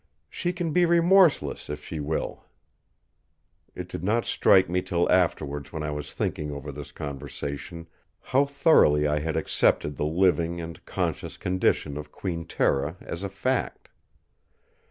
She can be remorseless if she will." It did not strike me till afterwards when I was thinking over this conversation, how thoroughly I had accepted the living and conscious condition of Queen Tera as a fact.